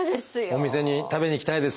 お店に食べに行きたいです。